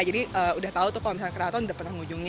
jadi udah tahu tuh kalau misalnya keraton udah pernah ngunjungin